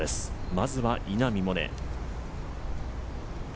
まずは稲見萌寧。